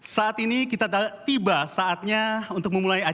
saat ini kita tiba saatnya untuk memulai acara